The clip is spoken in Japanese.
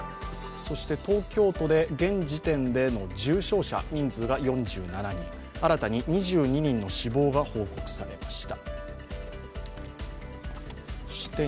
東京都で現時点での重症者の人数が４７人新たに２２人の死亡が報告されました。